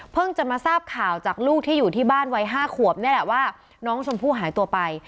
จะมาทราบข่าวจากลูกที่อยู่ที่บ้านวัย๕ขวบนี่แหละว่าน้องชมพู่หายตัวไป